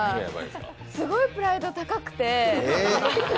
すごいプライド高くて。